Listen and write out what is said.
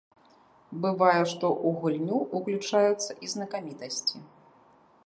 Бывае, што ў гульню ўключаюцца і знакамітасці.